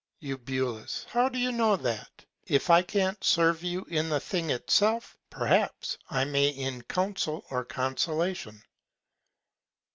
Eu. How do you know that? If I can't serve you in the Thing itself, perhaps I may in Counsel or Consolation.